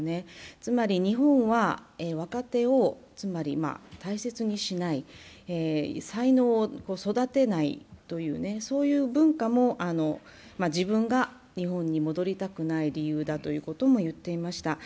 つまり日本は若手を大切にしない、才能を育てないという文化も自分が日本に戻りたくない理由だとも言っていました。